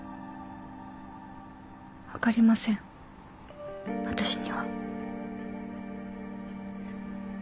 分かりません私には。